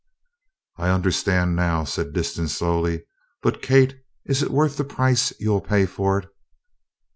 "I understand now," Disston said slowly. "But, Kate, is it worth the price you'll pay for it?"